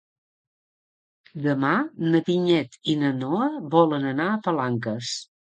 Demà na Vinyet i na Noa volen anar a Palanques.